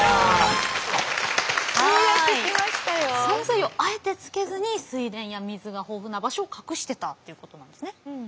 さんずいをあえて付けずに水田や水が豊富な場所を隠してたということなんですね。